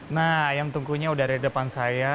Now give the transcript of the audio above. nah ayam tungkunya udah ada di depan saya